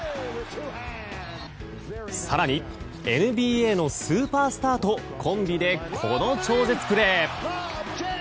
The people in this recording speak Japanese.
更に、ＮＢＡのスーパースターとコンビでこの超絶プレー。